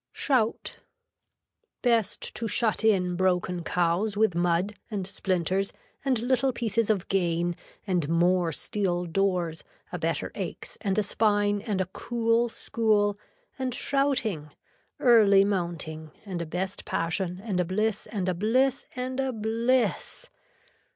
SHOUT Best to shut in broken cows with mud and splinters and little pieces of gain and more steel doors a better aches and a spine and a cool school and shouting, early mounting and a best passion and a bliss and a bliss and a bliss.